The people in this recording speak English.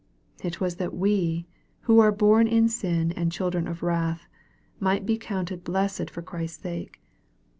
It was that ve, who are born in sin and children of wrath, might be counted blessed for Christ's sake.